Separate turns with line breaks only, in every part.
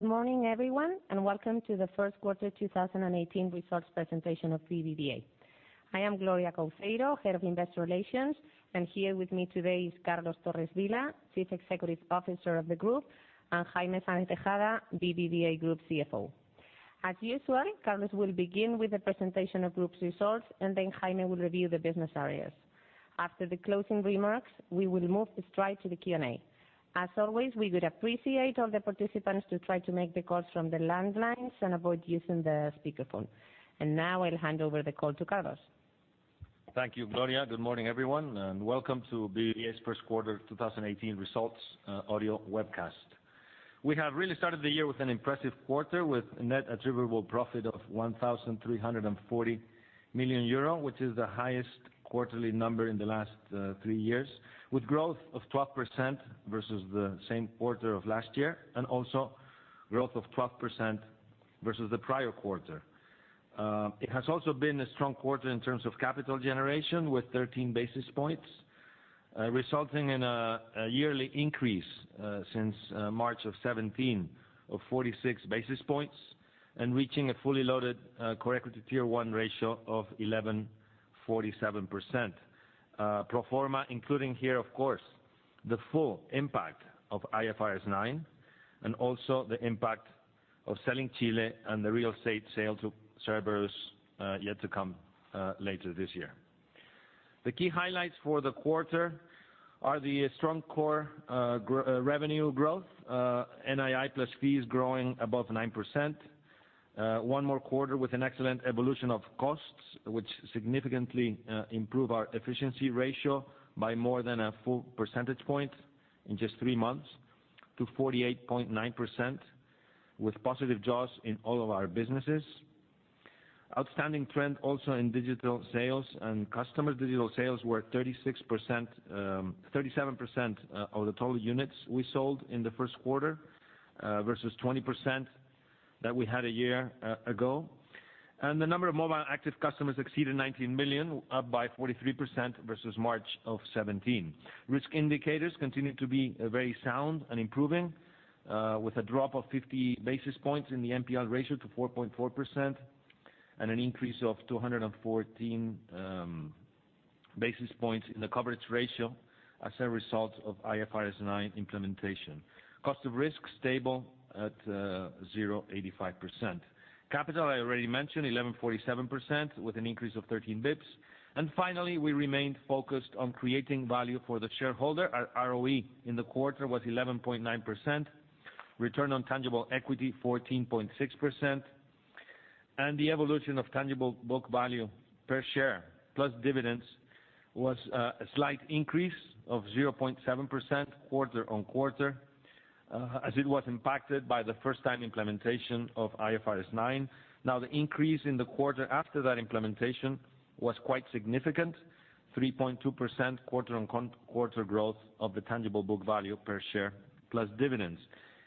Morning everyone, welcome to the first quarter 2018 results presentation of BBVA. I am Gloria Couceiro, Head of Investor Relations. Here with me today is Carlos Torres Vila, Chief Executive Officer of the group, and Jaime Sáenz de Tejada, BBVA Group CFO. As usual, Carlos will begin with the presentation of group's results. Then Jaime will review the business areas. After the closing remarks, we will move straight to the Q&A. As always, we would appreciate all the participants to try to make the calls from the landlines and avoid using the speakerphone. Now I'll hand over the call to Carlos.
Thank you, Gloria. Good morning, everyone, welcome to BBVA's first quarter 2018 results audio webcast. We have really started the year with an impressive quarter, with net attributable profit of 1,340 million euro, which is the highest quarterly number in the last three years, with growth of 12% versus the same quarter of last year, growth of 12% versus the prior quarter. It has also been a strong quarter in terms of capital generation, with 13 basis points, resulting in a yearly increase, since March of 2017, of 46 basis points and reaching a fully loaded core equity Tier 1 ratio of 11.47%. Pro forma, including here, of course, the full impact of IFRS 9, the impact of selling Chile and the real estate sale to Cerberus yet to come later this year. The key highlights for the quarter are the strong core revenue growth, NII plus fees growing above 9%. One more quarter with an excellent evolution of costs, which significantly improve our efficiency ratio by more than a full percentage point in just three months to 48.9%, with positive jaws in all of our businesses. Outstanding trend also in digital sales. Customer digital sales were 37% of the total units we sold in the first quarter, versus 20% that we had a year ago. The number of mobile active customers exceeded 19 million, up by 43% versus March of 2017. Risk indicators continued to be very sound and improving, with a drop of 50 basis points in the NPL ratio to 4.4% and an increase of 214 basis points in the coverage ratio as a result of IFRS 9 implementation. Cost of risk stable at 0.85%. Capital I already mentioned 11.47% with an increase of 13 basis points. Finally, we remained focused on creating value for the shareholder. Our ROE in the quarter was 11.9%, return on tangible equity 14.6%. The evolution of tangible book value per share plus dividends was a slight increase of 0.7% quarter-on-quarter, as it was impacted by the first time implementation of IFRS 9. Now, the increase in the quarter after that implementation was quite significant, 3.2% quarter-on-quarter growth of the tangible book value per share plus dividends.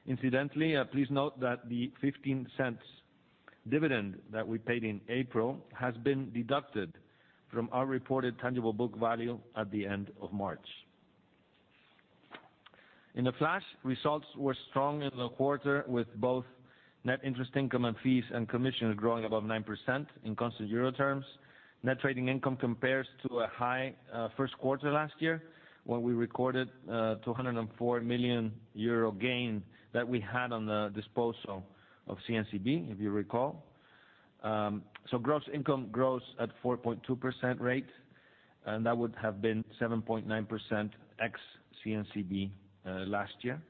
Incidentally, please note that the 0.15 dividend that we paid in April has been deducted from our reported tangible book value at the end of March. In the flash, results were strong in the quarter with both net interest income and fees and commissions growing above 9% in constant EUR terms. Net trading income compares to a high first quarter last year, when we recorded 204 million euro gain that we had on the disposal of CNCB, if you recall. Gross income grows at 4.2% rate, and that would have been 7.9% ex-CNCB last year.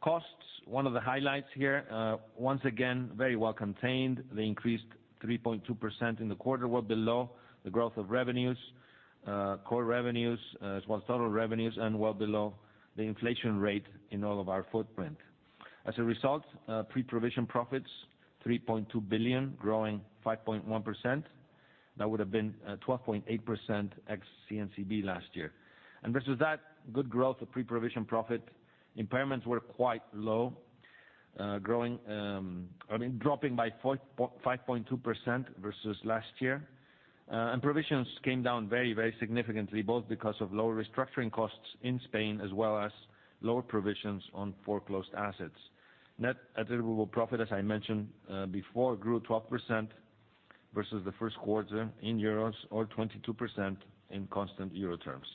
Costs, one of the highlights here, once again, very well contained. They increased 3.2% in the quarter, well below the growth of revenues, core revenues, as well as total revenues, and well below the inflation rate in all of our footprint. As a result, pre-provision profits 3.2 billion, growing 5.1%. That would have been 12.8% ex-CNCB last year. Versus that, good growth of pre-provision profit. Impairments were quite low, dropping by 5.2% versus last year. Provisions came down very, very significantly, both because of lower restructuring costs in Spain as well as lower provisions on foreclosed assets. Net attributable profit, as I mentioned before, grew 12% versus the first quarter in euros or 22% in constant euro terms.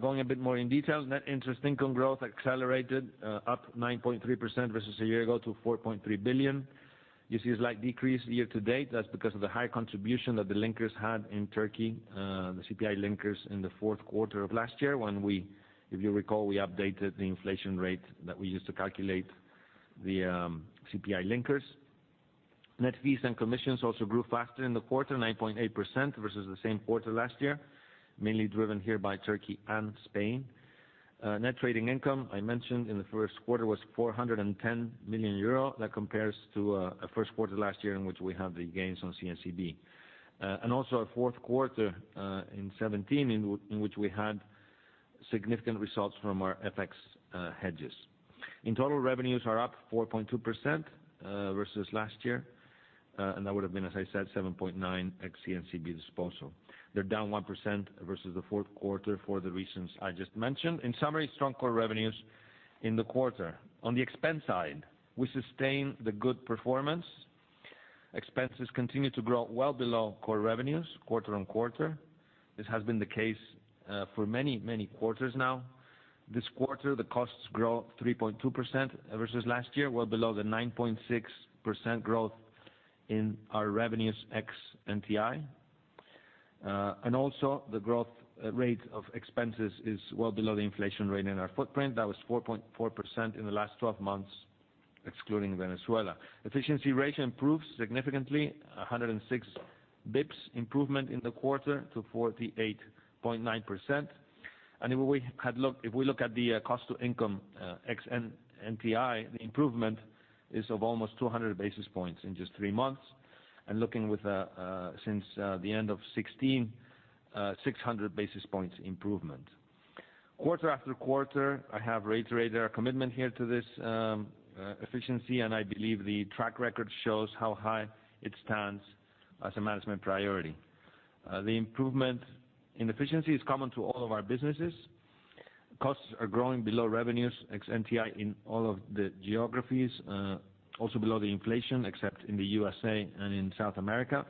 Going a bit more in details, net interest income growth accelerated up 9.3% versus a year ago to 4.3 billion. You see a slight decrease year to date. That's because of the high contribution that the linkers had in Turkey, the CPI linkers in the fourth quarter of last year when we, if you recall, we updated the inflation rate that we used to calculate the CPI linkers. Net fees and commissions also grew faster in the quarter, 9.8% versus the same quarter last year, mainly driven here by Turkey and Spain. Net trading income, I mentioned in the first quarter, was 410 million euro. That compares to a first quarter last year in which we had the gains on CNCB. Also our fourth quarter in 2017, in which we had significant results from our FX hedges. 4.2% versus last year, and that would've been, as I said, 7.9% ex-CNCB disposal. They're down 1% versus the fourth quarter for the reasons I just mentioned. In summary, strong core revenues in the quarter. On the expense side, we sustain the good performance. Expenses continue to grow well below core revenues quarter-on-quarter. This has been the case for many quarters now. This quarter, the costs grow 3.2% versus last year, well below the 9.6% growth in our revenues ex NTI. Also, the growth rate of expenses is well below the inflation rate in our footprint. That was 4.4% in the last 12 months, excluding Venezuela. Efficiency ratio improves significantly, 106 basis points improvement in the quarter to 48.9%. If we look at the cost to income ex NTI, the improvement is of almost 200 basis points in just three months. Looking since the end of 2016, 600 basis points improvement. Quarter after quarter, I have reiterated our commitment here to this efficiency, and I believe the track record shows how high it stands as a management priority. The improvement in efficiency is common to all of our businesses. Costs are growing below revenues, ex NTI, in all of the geographies. Also below the inflation, except in the USA and in South America.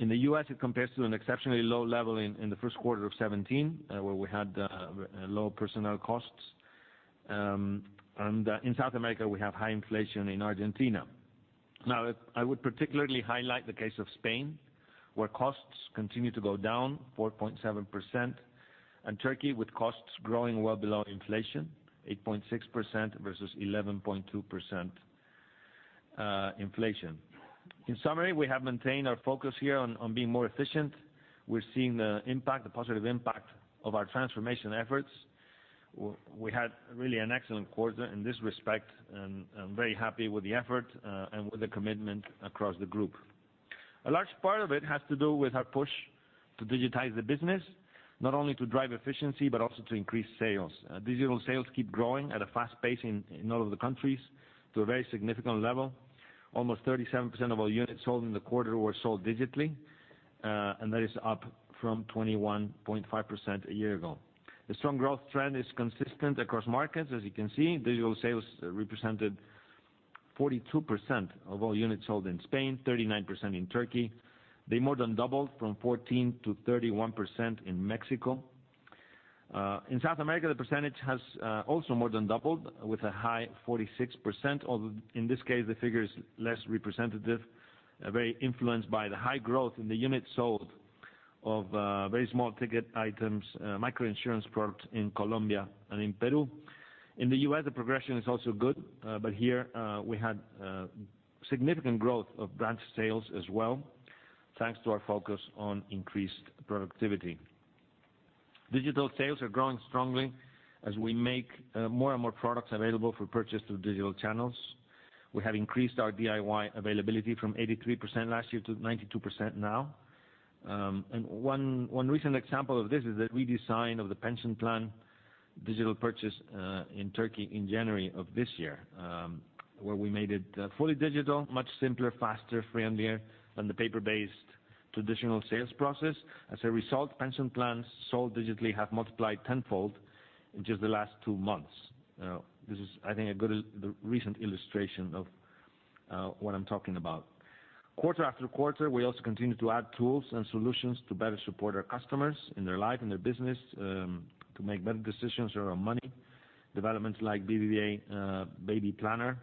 In the U.S., it compares to an exceptionally low level in the first quarter of 2017, where we had low personnel costs. In South America, we have high inflation in Argentina. I would particularly highlight the case of Spain, where costs continue to go down 4.7%, and Turkey, with costs growing well below inflation, 8.6% versus 11.2% inflation. In summary, we have maintained our focus here on being more efficient. We're seeing the positive impact of our transformation efforts. We had really an excellent quarter in this respect, and I'm very happy with the effort, and with the commitment across the group. A large part of it has to do with our push to digitize the business. Not only to drive efficiency, but also to increase sales. Digital sales keep growing at a fast pace in all of the countries to a very significant level. Almost 37% of all units sold in the quarter were sold digitally, and that is up from 21.5% a year ago. The strong growth trend is consistent across markets. As you can see, digital sales represented 42% of all units sold in Spain, 39% in Turkey. They more than doubled from 14% to 31% in Mexico. In South America, the percentage has also more than doubled with a high 46%, although in this case, the figure is less representative, very influenced by the high growth in the units sold of very small ticket items, micro-insurance product in Colombia and in Peru. In the U.S., the progression is also good. Here, we had significant growth of branch sales as well, thanks to our focus on increased productivity. Digital sales are growing strongly as we make more and more products available for purchase through digital channels. We have increased our DIY availability from 83% last year to 92% now. One recent example of this is the redesign of the pension plan digital purchase in Turkey in January of this year, where we made it fully digital, much simpler, faster, friendlier than the paper-based traditional sales process. As a result, pension plans sold digitally have multiplied tenfold in just the last two months. This is, I think, a good recent illustration of what I'm talking about. Quarter after quarter, we also continue to add tools and solutions to better support our customers in their life and their business, to make better decisions around money. Developments like BBVA Baby Planner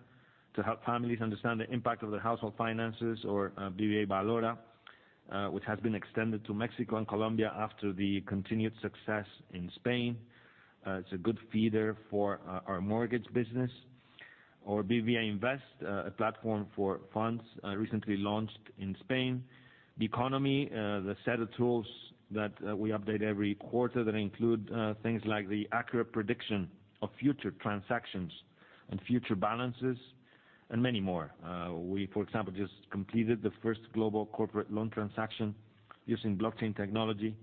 to help families understand the impact of their household finances or BBVA Valora, which has been extended to Mexico and Colombia after the continued success in Spain. It's a good feeder for our mortgage business. BBVA Invest, a platform for funds recently launched in Spain. The economy, the set of tools that we update every quarter that include things like the accurate prediction of future transactions and future balances, and many more. We, for example, just completed the first global corporate loan transaction using blockchain technology.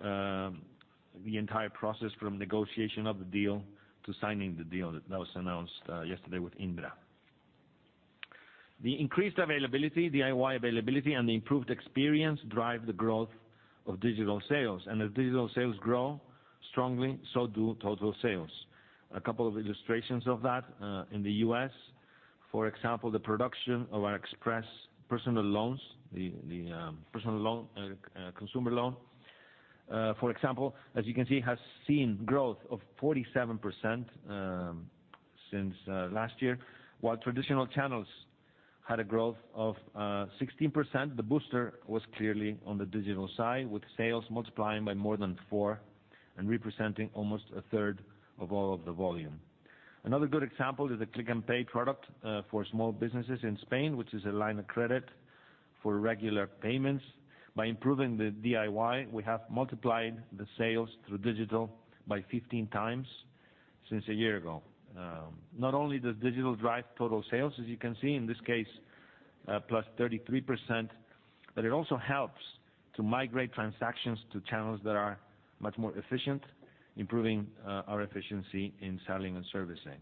The entire process from negotiation of the deal to signing the deal. That was announced yesterday with Indra. The increased availability, DIY availability, and the improved experience drive the growth of digital sales. As digital sales grow strongly, so do total sales. A couple of illustrations of that. In the U.S., for example, the production of our Express Personal Loans, the personal loan, consumer loan. For example, as you can see, has seen growth of 47% since last year. While traditional channels had a growth of 16%, the booster was clearly on the digital side, with sales multiplying by more than four and representing almost a third of all of the volume. Another good example is the Click&Pay product for small businesses in Spain, which is a line of credit for regular payments. By improving the DIY, we have multiplied the sales through digital by 15 times since a year ago. Not only does digital drive total sales, as you can see in this case, plus 33%. It also helps to migrate transactions to channels that are much more efficient, improving our efficiency in selling and servicing.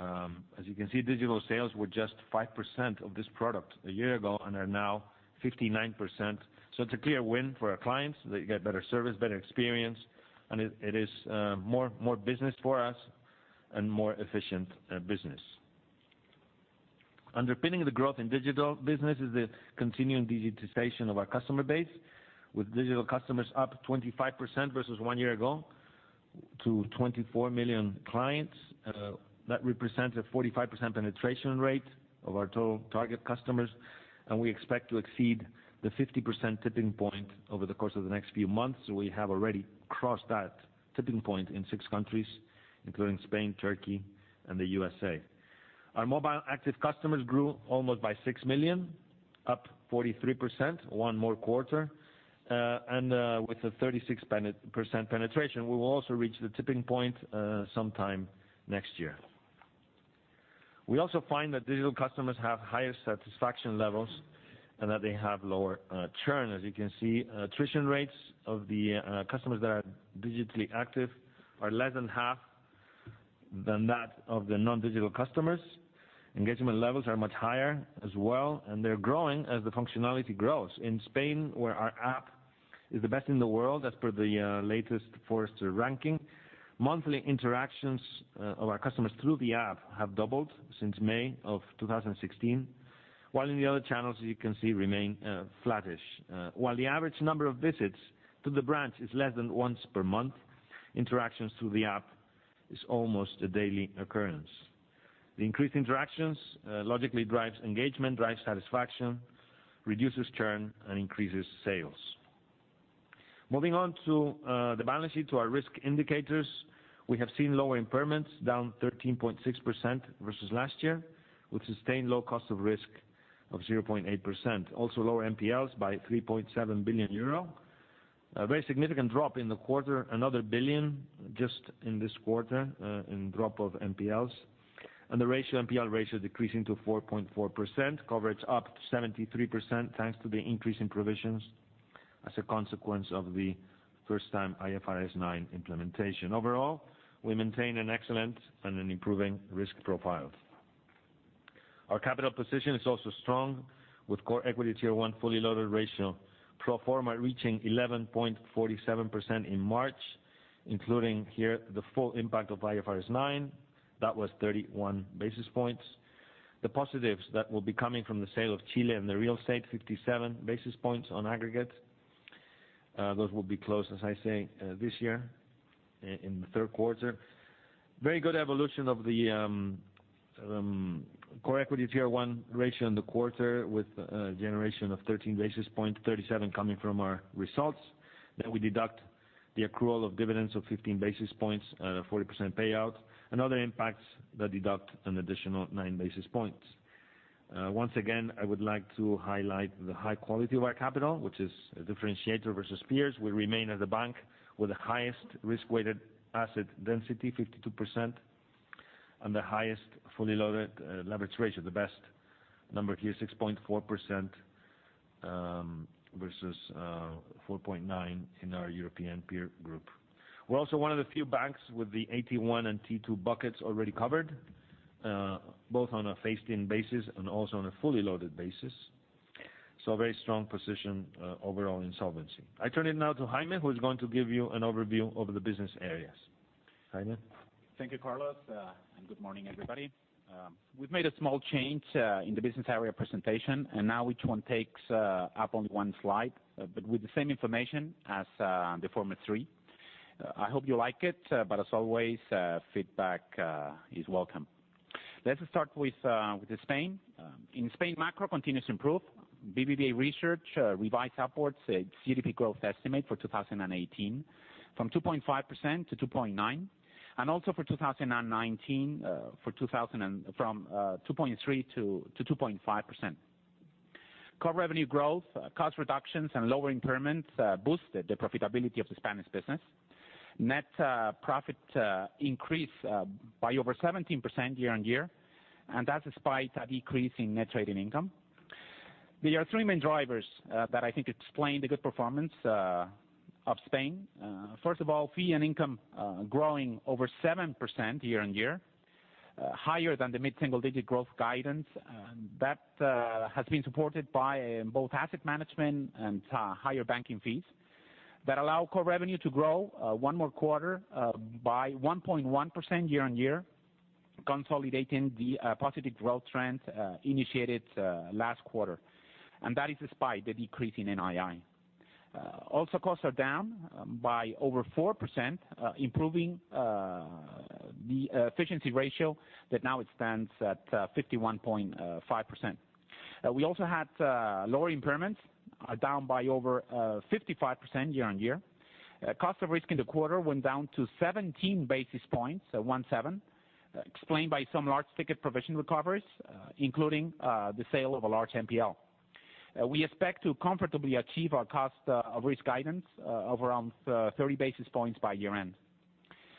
As you can see, digital sales were just 5% of this product a year ago and are now 59%. It's a clear win for our clients. They get better service, better experience, it is more business for us and more efficient business. Underpinning the growth in digital business is the continuing digitization of our customer base, with digital customers up 25% versus one year ago to 24 million clients. That represents a 45% penetration rate of our total target customers, and we expect to exceed the 50% tipping point over the course of the next few months. We have already crossed that tipping point in six countries, including Spain, Turkey, and the U.S.A. Our mobile active customers grew almost by six million, up 43% one more quarter. With a 36% penetration, we will also reach the tipping point sometime next year. We also find that digital customers have higher satisfaction levels and that they have lower churn. As you can see, attrition rates of the customers that are digitally active are less than half than that of the non-digital customers. Engagement levels are much higher as well, and they're growing as the functionality grows. In Spain, where our app is the best in the world, as per the latest Forrester ranking, monthly interactions of our customers through the app have doubled since May of 2016, while in the other channels, as you can see, remain flattish. While the average number of visits to the branch is less than once per month, interactions through the app is almost a daily occurrence. The increased interactions logically drives engagement, drives satisfaction, reduces churn, and increases sales. Moving on to the balance sheet, to our risk indicators. We have seen lower impairments, down 13.6% versus last year, with sustained low cost of risk of 0.8%. Also lower NPLs by 3.7 billion euro. A very significant drop in the quarter, another 1 billion just in this quarter in drop of NPLs. The ratio NPL ratio decreasing to 4.4%, coverage up 73% thanks to the increase in provisions as a consequence of the first-time IFRS 9 implementation. Overall, we maintain an excellent and an improving risk profile. Our capital position is also strong, with core equity tier one fully loaded ratio pro forma reaching 11.47% in March, including here the full impact of IFRS 9. That was 31 basis points. The positives that will be coming from the sale of Chile and the real estate, 57 basis points on aggregate. Those will be closed, as I say, this year in the third quarter. Very good evolution of the core equity tier one ratio in the quarter, with a generation of 13 basis points, 37 coming from our results. We deduct the accrual of dividends of 15 basis points at a 40% payout, and other impacts that deduct an additional nine basis points. Once again, I would like to highlight the high quality of our capital, which is a differentiator versus peers. We remain as the bank with the highest risk-weighted asset density, 52%, and the highest fully loaded leverage ratio, the best number here, 6.4% versus 4.9 in our European peer group. We're also one of the few banks with the AT1 and T2 buckets already covered, both on a phased-in basis and also on a fully loaded basis. A very strong position overall in solvency. I turn it now to Jaime, who is going to give you an overview of the business areas. Jaime?
Thank you, Carlos. Good morning, everybody. We've made a small change in the business area presentation. Now each one takes up only one slide, but with the same information as the former three. As always, feedback is welcome. Let us start with Spain. In Spain, macro continues to improve. BBVA Research revised upwards its GDP growth estimate for 2018 from 2.5% to 2.9%, and also for 2019 from 2.3% to 2.5%. Core revenue growth, cost reductions, and lower impairments boosted the profitability of the Spanish business. Net profit increased by over 17% year-on-year, and that's despite a decrease in net trading income. There are three main drivers that I think explain the good performance of Spain. First of all, fee and income growing over 7% year-on-year, higher than the mid-single-digit growth guidance. That has been supported by both asset management and higher banking fees that allow core revenue to grow one more quarter by 1.1% year-on-year, consolidating the positive growth trend initiated last quarter. That is despite the decrease in NII. Costs are down by over 4%, improving the efficiency ratio that now stands at 51.5%. We also had lower impairments, down by over 55% year-on-year. Cost of risk in the quarter went down to 17 basis points, one seven, explained by some big-ticket provision recoveries, including the sale of a large NPL. We expect to comfortably achieve our cost of risk guidance of around 30 basis points by year-end.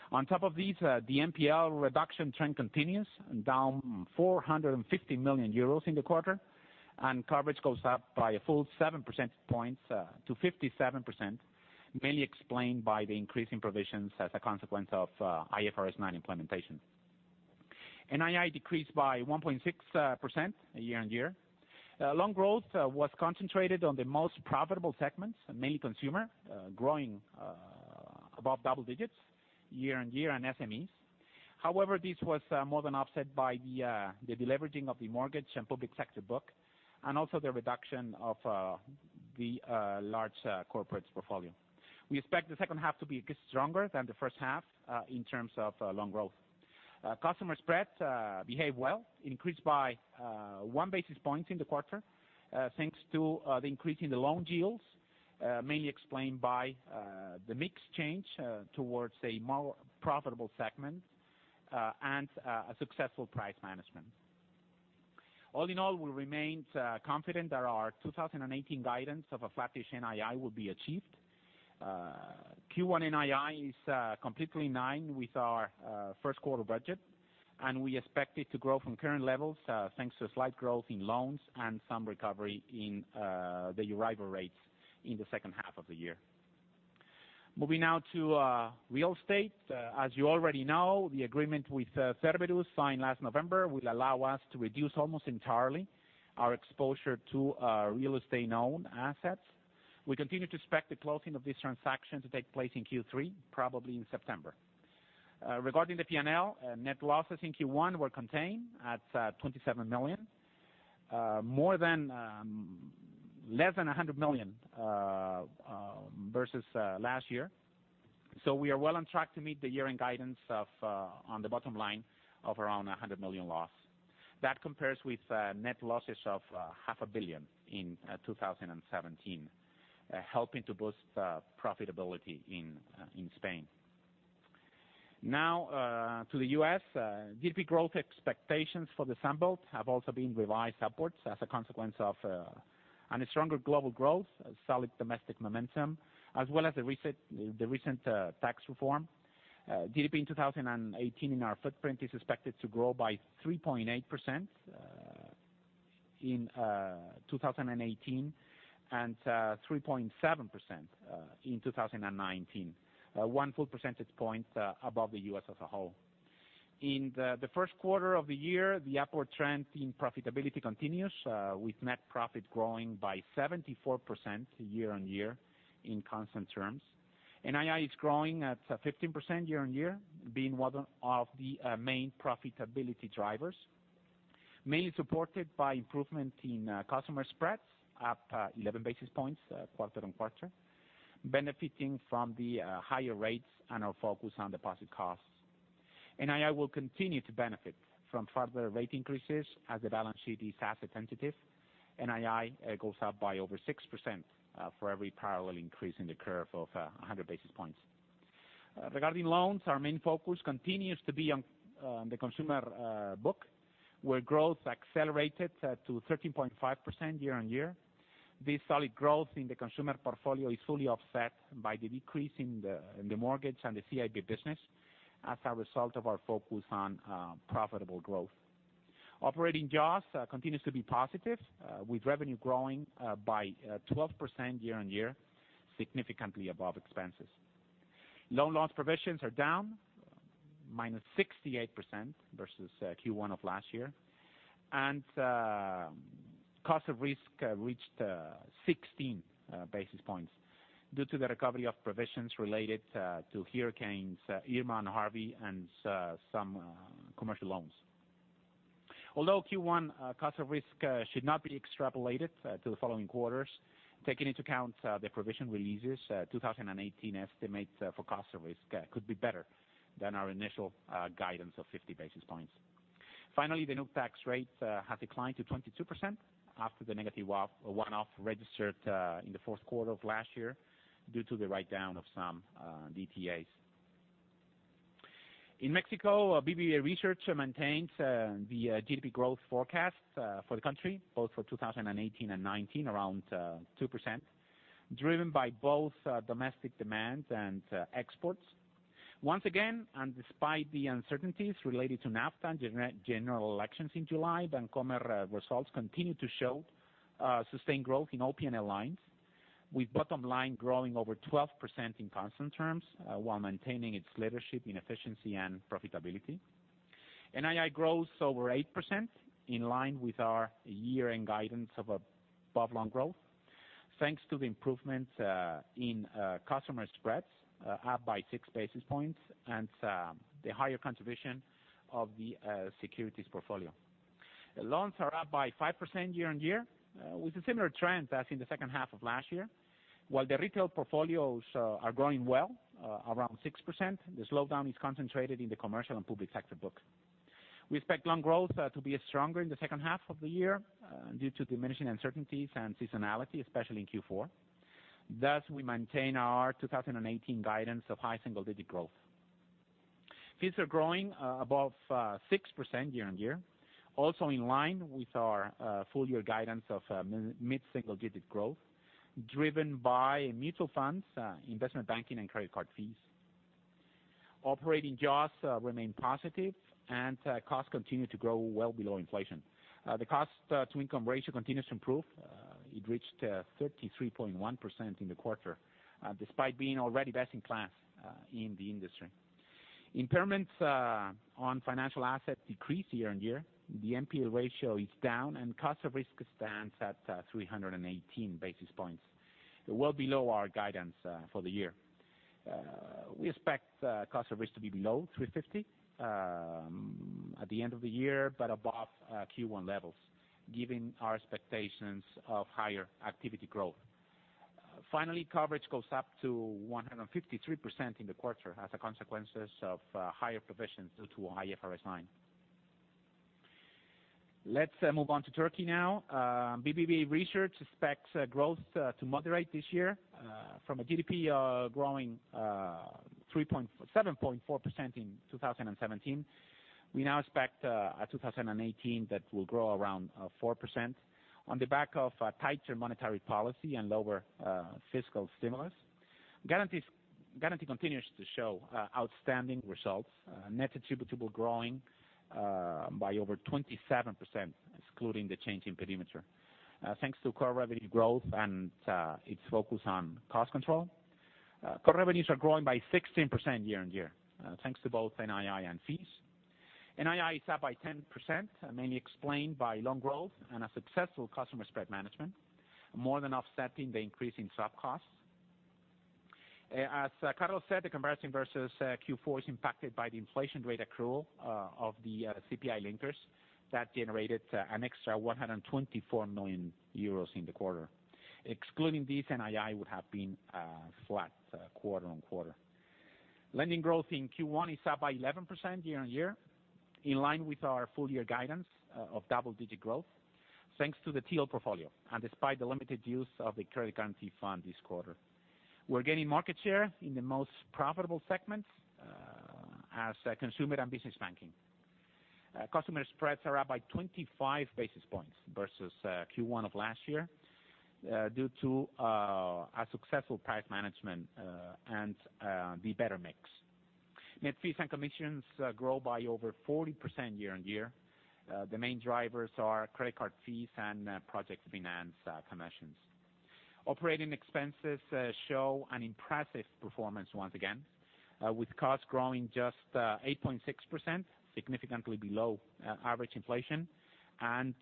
On top of these, the NPL reduction trend continues down 450 million euros in the quarter, and coverage goes up by a full 7 percentage points to 57%, mainly explained by the increase in provisions as a consequence of IFRS 9 implementation. NII decreased by 1.6% year-on-year. Loan growth was concentrated on the most profitable segments, mainly consumer, growing above double digits year-on-year and SMEs. This was more than offset by the deleveraging of the mortgage and public sector book, and also the reduction of the large corporates portfolio. We expect the second half to be stronger than the first half in terms of loan growth. Customer spreads behave well, increased by one basis point in the quarter, thanks to the increase in the loan yields, mainly explained by the mix change towards a more profitable segment, and a successful price management. We remain confident that our 2018 guidance of a flat-ish NII will be achieved. Q1 NII is completely in line with our first quarter budget, and we expect it to grow from current levels, thanks to a slight growth in loans and some recovery in the arrival rates in the second half of the year. Moving now to real estate. The agreement with Cerberus, signed last November, will allow us to reduce almost entirely our exposure to real estate-owned assets. We continue to expect the closing of this transaction to take place in Q3, probably in September. Regarding the P&L, net losses in Q1 were contained at 27 million. Less than 100 million versus last year. We are well on track to meet the year-end guidance on the bottom line of around 100 million loss. That compares with net losses of half a billion in 2017, helping to boost profitability in Spain. To the U.S. GDP growth expectations for the sample have also been revised upwards as a consequence of a stronger global growth, solid domestic momentum, as well as the recent tax reform. GDP in 2018 in our footprint is expected to grow by 3.8% in 2018 and 3.7% in 2019, one full percentage point above the U.S. as a whole. In the first quarter of the year, the upward trend in profitability continues, with net profit growing by 74% year-on-year in constant terms. NII is growing at 15% year-on-year, being one of the main profitability drivers, mainly supported by improvement in customer spreads, up 11 basis points quarter-on-quarter, benefiting from the higher rates and our focus on deposit costs. NII will continue to benefit from further rate increases as the balance sheet is asset-sensitive. NII goes up by over 6% for every parallel increase in the curve of 100 basis points. Our main focus continues to be on the consumer book, where growth accelerated to 13.5% year-on-year. This solid growth in the consumer portfolio is fully offset by the decrease in the mortgage and the CIB business as a result of our focus on profitable growth. Operating jaws continues to be positive, with revenue growing by 12% year-on-year, significantly above expenses. Loan loss provisions are down -68% versus Q1 of last year, and cost of risk reached 16 basis points due to the recovery of provisions related to Hurricane Irma and Hurricane Harvey and some commercial loans. Although Q1 cost of risk should not be extrapolated to the following quarters, taking into account the provision releases, 2018 estimates for cost of risk could be better than our initial guidance of 50 basis points. Finally, the Group tax rate has declined to 22% after the negative one-off registered in the fourth quarter of last year due to the write-down of some DTAs. In Mexico, BBVA Research maintains the GDP growth forecast for the country, both for 2018 and 2019, around 2%, driven by both domestic demand and exports. Once again, despite the uncertainties related to NAFTA and general elections in July, BBVA Bancomer results continue to show sustained growth in all P&L lines, with bottom line growing over 12% in constant terms while maintaining its leadership in efficiency and profitability. NII grows over 8%, in line with our year-end guidance of above loan growth, thanks to the improvements in customer spreads, up by six basis points, and the higher contribution of the securities portfolio. Loans are up by 5% year-on-year, with a similar trend as in the second half of last year. While the retail portfolios are growing well, around 6%, the slowdown is concentrated in the commercial and public sector book. We expect loan growth to be stronger in the second half of the year due to diminishing uncertainties and seasonality, especially in Q4. Thus, we maintain our 2018 guidance of high single-digit growth. Fees are growing above 6% year-on-year, also in line with our full-year guidance of mid-single digit growth driven by mutual funds, investment banking, and credit card fees. Operating jaws remain positive, and costs continue to grow well below inflation. The cost-to-income ratio continues to improve. It reached 33.1% in the quarter, despite being already best in class in the industry. Impairments on financial assets decreased year-on-year. The NPL ratio is down, and cost of risk stands at 318 basis points, well below our guidance for the year. We expect cost of risk to be below 350 at the end of the year, but above Q1 levels, given our expectations of higher activity growth. Finally, coverage goes up to 153% in the quarter as a consequence of higher provisions due to IFRS 9. Let's move on to Turkey now. BBVA Research expects growth to moderate this year from a GDP growing 7.4% in 2017. We now expect a 2018 that will grow around 4% on the back of tighter monetary policy and lower fiscal stimulus. Garanti Bank continues to show outstanding results, net attributable growing by over 27%, excluding the change in perimeter. Thanks to core revenue growth and its focus on cost control, core revenues are growing by 16% year-on-year, thanks to both NII and fees. NII is up by 10%, mainly explained by loan growth and a successful customer spread management, more than offsetting the increase in swap costs. As Carlos said, the comparison versus Q4 is impacted by the inflation rate accrual of the CPI linkers that generated an extra 124 million euros in the quarter. Excluding this, NII would have been flat quarter-on-quarter. Lending growth in Q1 is up by 11% year-on-year, in line with our full-year guidance of double-digit growth thanks to the TRY portfolio and despite the limited use of the credit guarantee fund this quarter. We're gaining market share in the most profitable segments as consumer and business banking. Customer spreads are up by 25 basis points versus Q1 of last year due to a successful price management and the better mix. Net fees and commissions grow by over 40% year-on-year. The main drivers are credit card fees and project finance commissions. Operating expenses show an impressive performance once again, with costs growing just 8.6%, significantly below average inflation, and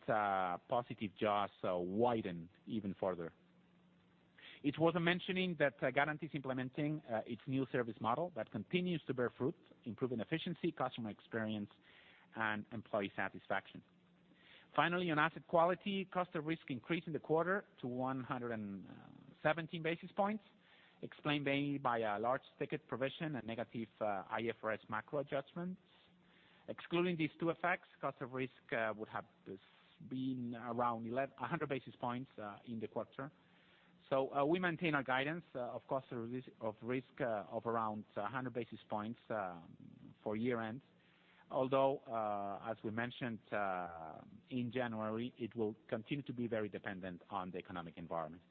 positive jaws widened even further. It's worth mentioning that Garanti is implementing its new service model that continues to bear fruit, improving efficiency, customer experience, and employee satisfaction. Finally, on asset quality, cost of risk increased in the quarter to 117 basis points, explained mainly by a large ticket provision and negative IFRS macro adjustments. Excluding these two effects, cost of risk would have been around 100 basis points in the quarter. We maintain our guidance of cost of risk of around 100 basis points for year-end, although, as we mentioned in January, it will continue to be very dependent on the economic environment.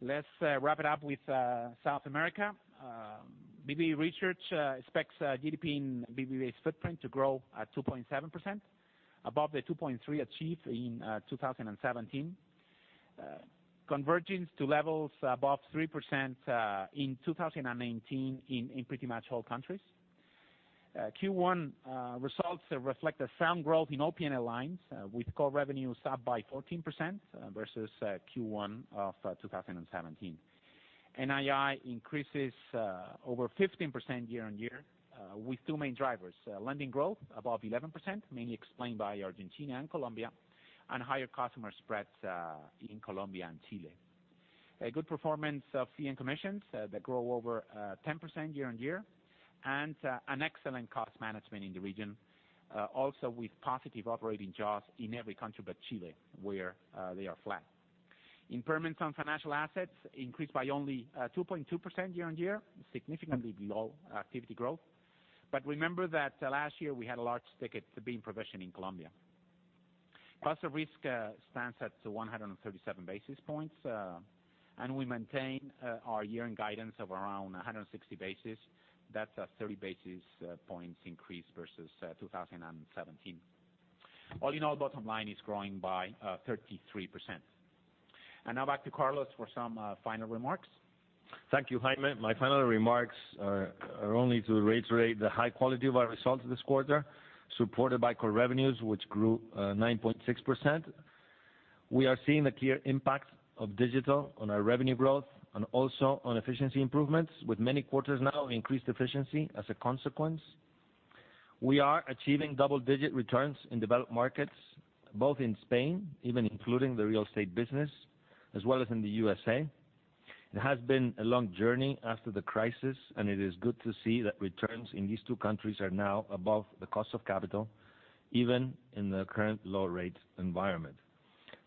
Let's wrap it up with South America. BBVA Research expects GDP in BBVA's footprint to grow at 2.7%, above the 2.3 achieved in 2017, converging to levels above 3% in 2019 in pretty much all countries. Q1 results reflect a sound growth in all P&L lines, with core revenues up by 14% versus Q1 of 2017. NII increases over 15% year-on-year with two main drivers: lending growth above 11%, mainly explained by Argentina and Colombia, and higher customer spreads in Colombia and Chile. A good performance of fee and commissions that grow over 10% year-on-year, and an excellent cost management in the region, also with positive operating jaws in every country but Chile, where they are flat. Impairments on financial assets increased by only 2.2% year-on-year, significantly below activity growth. Remember that last year we had a large ticket to be in provision in Colombia. Cost of risk stands at 137 basis points, and we maintain our year-end guidance of around 160 basis points. That's a 30 basis points increase versus 2017. All in all, bottom line is growing by 33%. Now back to Carlos for some final remarks.
Thank you, Jaime. My final remarks are only to reiterate the high quality of our results this quarter, supported by core revenues, which grew 9.6%. We are seeing a clear impact of digital on our revenue growth and also on efficiency improvements, with many quarters now of increased efficiency as a consequence. We are achieving double-digit returns in developed markets, both in Spain, even including the real estate business, as well as in the U.S. It has been a long journey after the crisis, and it is good to see that returns in these two countries are now above the cost of capital, even in the current low rate environment.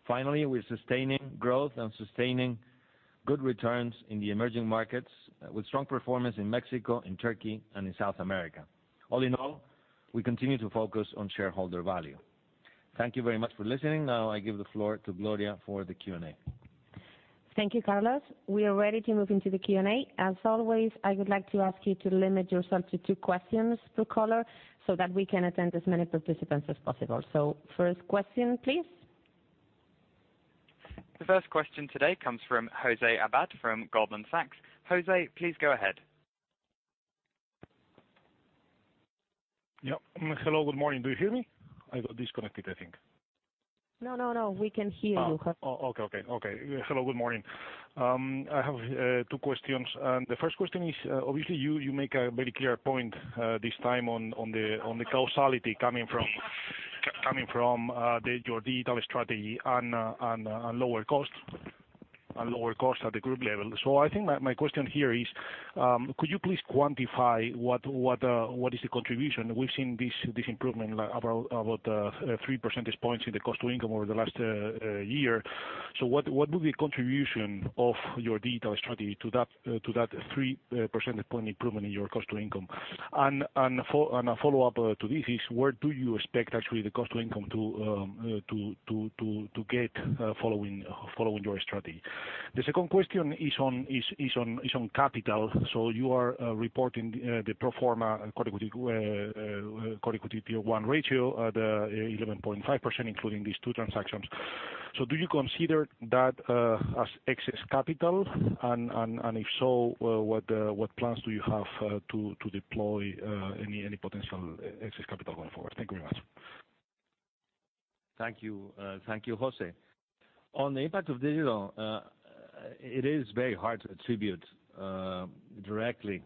Finally, we're sustaining growth and sustaining good returns in the emerging markets with strong performance in Mexico, in Turkey, and in South America. All in all, we continue to focus on shareholder value. Thank you very much for listening. Now I give the floor to Gloria for the Q&A.
Thank you, Carlos. We are ready to move into the Q&A. As always, I would like to ask you to limit yourself to two questions per caller so that we can attend as many participants as possible. First question, please.
The first question today comes from José Abad from Goldman Sachs. José, please go ahead.
Yep. Hello. Good morning. Do you hear me? I got disconnected, I think.
No, we can hear you, José.
Hello, good morning. I have two questions. The first question is, obviously, you make a very clear point this time on the causality coming from your digital strategy on lower costs at the group level. I think my question here is, could you please quantify what is the contribution? We've seen this improvement about three percentage points in the cost to income over the last year. What would be contribution of your digital strategy to that three percentage point improvement in your cost to income? A follow-up to this is where do you expect actually the cost to income to get following your strategy? The second question is on capital. You are reporting the pro forma core equity Tier 1 ratio, the 11.5%, including these two transactions. Do you consider that as excess capital, and if so, what plans do you have to deploy any potential excess capital going forward? Thank you very much.
Thank you, José. On the impact of digital, it is very hard to attribute directly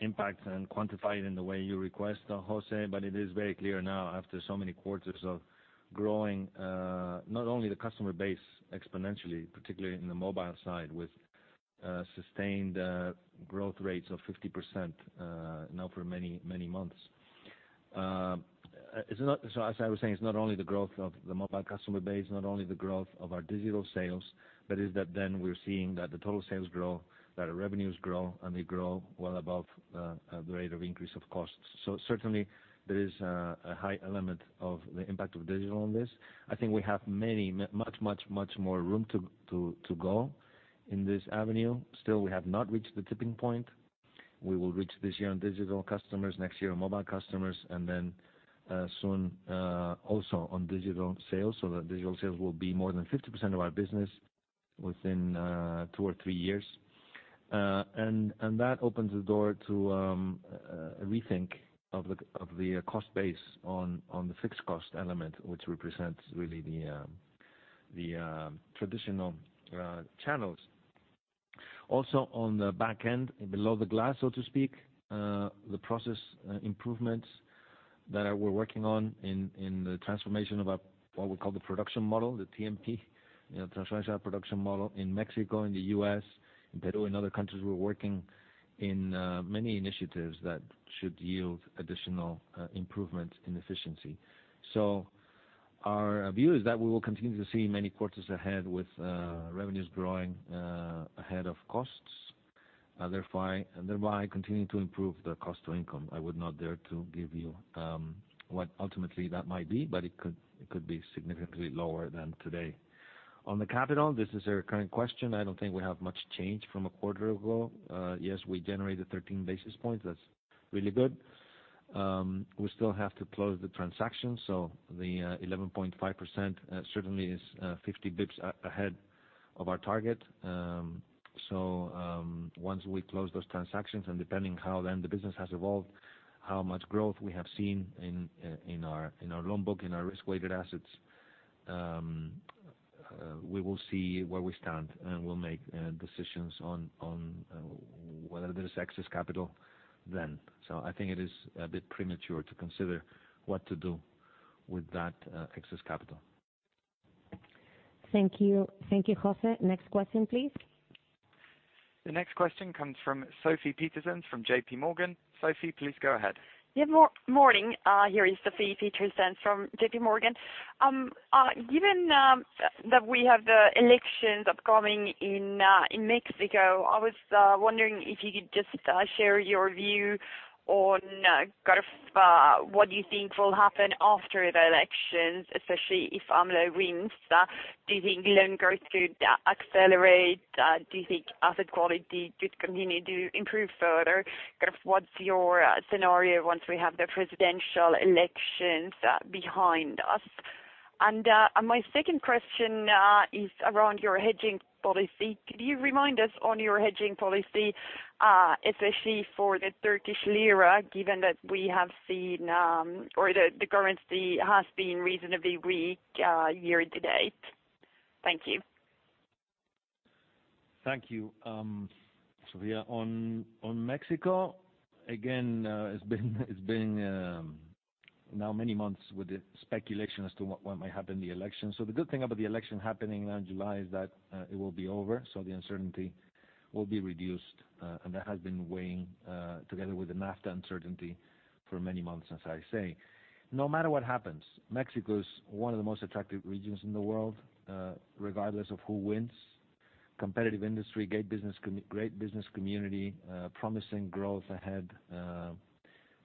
impact and quantify it in the way you request, José, it is very clear now after so many quarters of growing, not only the customer base exponentially, particularly in the mobile side, with sustained growth rates of 50% now for many months. As I was saying, it's not only the growth of the mobile customer base, not only the growth of our digital sales, is that then we're seeing that the total sales grow, that our revenues grow, and they grow well above the rate of increase of costs. Certainly, there is a high element of the impact of digital on this. I think we have much more room to go in this avenue. Still, we have not reached the tipping point. We will reach this year on digital customers, next year on mobile customers, then soon, also on digital sales, so that digital sales will be more than 50% of our business within two or three years. That opens the door to a rethink of the cost base on the fixed cost element, which represents really the traditional channels. Also, on the back end, below the glass, so to speak, the process improvements that we're working on in the transformation of what we call the production model, the TMP, transitional production model in Mexico and the U.S., in Peru, in other countries, we're working in many initiatives that should yield additional improvements in efficiency. Our view is that we will continue to see many quarters ahead with revenues growing ahead of costs, thereby continuing to improve the cost to income. I would not dare to give you what ultimately that might be, but it could be significantly lower than today. On the capital, this is a recurring question. I don't think we have much change from a quarter ago. Yes, we generated 13 basis points. That's really good. We still have to close the transaction, so the 11.5% certainly is 50 basis points ahead of our target. Once we close those transactions, and depending how then the business has evolved, how much growth we have seen in our loan book, in our risk-weighted assets, we will see where we stand, and we'll make decisions on whether there's excess capital then. I think it is a bit premature to consider what to do with that excess capital.
Thank you, José. Next question, please.
The next question comes from Sofie Peterzens from JP Morgan. Sofie, please go ahead.
Morning. Here is Sofie Peterzens from JP Morgan. Given that we have the elections upcoming in Mexico, I was wondering if you could just share your view on what you think will happen after the elections, especially if AMLO wins. Do you think loan growth could accelerate? Do you think asset quality could continue to improve further? What's your scenario once we have the presidential elections behind us? My second question is around your hedging policy. Could you remind us on your hedging policy, especially for the Turkish lira, given that we have seen, or the currency has been reasonably weak year to date? Thank you.
Thank you, Sofie. On Mexico, again, it's been now many months with the speculation as to what might happen in the election. The good thing about the election happening in July is that it will be over, so the uncertainty will be reduced, and that has been weighing, together with the NAFTA uncertainty for many months, as I say. No matter what happens, Mexico is one of the most attractive regions in the world, regardless of who wins. Competitive industry, great business community, promising growth ahead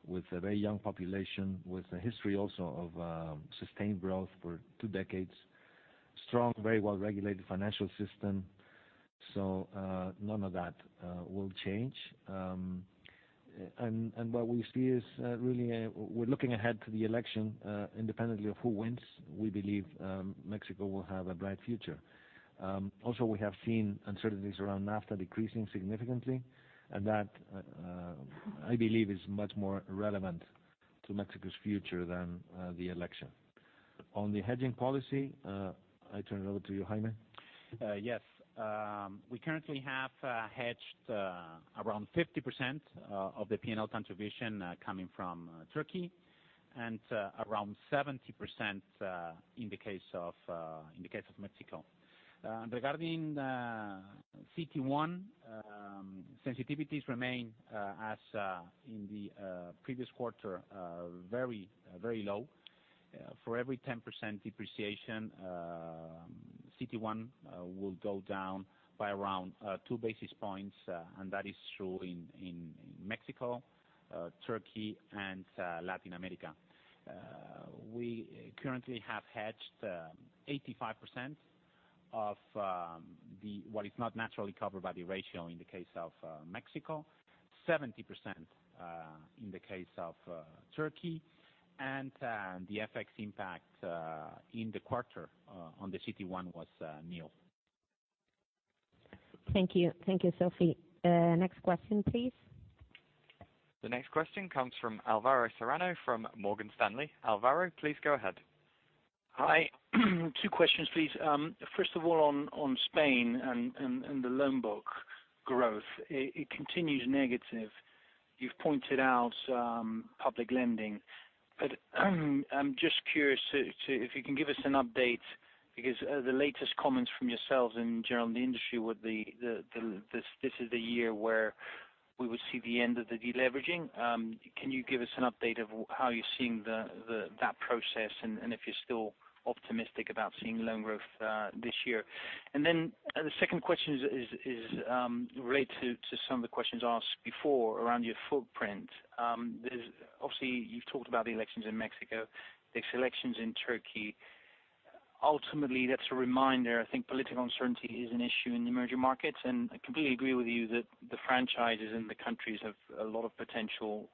with a very young population, with a history also of sustained growth for two decades. Strong, very well-regulated financial system. None of that will change. What we see is, we're looking ahead to the election independently of who wins. We believe Mexico will have a bright future. Also, we have seen uncertainties around NAFTA decreasing significantly, and that, I believe, is much more relevant to Mexico's future than the election. On the hedging policy, I turn it over to you, Jaime.
Yes. We currently have hedged around 50% of the P&L contribution coming from Turkey and around 70% in the case of Mexico. Regarding CT1, sensitivities remain as in the previous quarter, very low. For every 10% depreciation, CT1 will go down by around two basis points, and that is true in Mexico, Turkey, and Latin America. We currently have hedged 85% of what is not naturally covered by the ratio in the case of Mexico, 70% in the case of Turkey, and the FX impact in the quarter on the CT1 was nil.
Thank you. Thank you, Sofie. Next question, please.
The next question comes from Alvaro Serrano from Morgan Stanley. Alvaro, please go ahead.
Hi. Two questions, please. First of all, on Spain and the loan book growth, it continues negative. You've pointed out public lending, but I'm just curious if you can give us an update, because the latest comments from yourselves and general in the industry this is the year where we would see the end of the deleveraging. Can you give us an update of how you're seeing that process and if you're still optimistic about seeing loan growth this year? The second question is related to some of the questions asked before around your footprint. Obviously, you've talked about the elections in Mexico, the elections in Turkey. Ultimately, that's a reminder. I think political uncertainty is an issue in the emerging markets, and I completely agree with you that the franchises in the countries have a lot of potential.